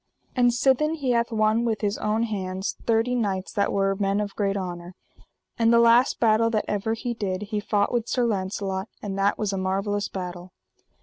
And sithen he hath won with his own hands thirty knights that were men of great honour. And the last battle that ever he did he fought with Sir Launcelot; and that was a marvellous battle.